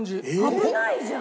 危ないじゃん。